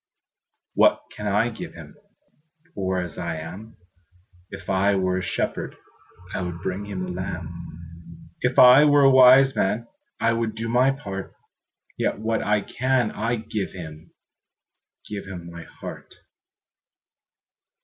What can I give Him, Poor as I am? If I were a shepherd, I would bring a lamb; If I were a wise man, I would do my part: Yet what I can I give Him, Give my heart.